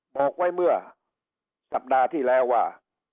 บอกไว้เมื่อสัปดาห์ที่แล้วว่า